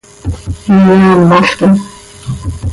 Hin yaamolquim.